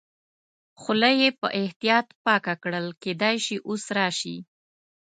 خوله یې په احتیاط پاکه کړل، کېدای شي اوس راشي.